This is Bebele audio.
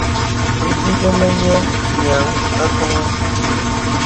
Ibi bə mə nyə nyèaŋ akɔŋɔ.